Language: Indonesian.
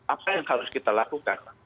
apa yang harus kita lakukan